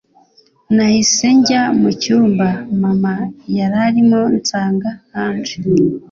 nahise njya mucyumba mama yararimo nsanga Angel